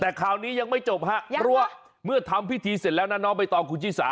แต่คราวนี้ยังไม่จบฮะเพราะว่าเมื่อทำพิธีเสร็จแล้วนะน้องใบตองคุณชิสา